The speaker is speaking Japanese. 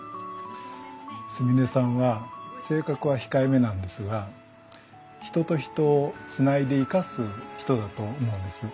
純音さんは性格は控えめなんですが人と人をつないで生かす人だと思うんです。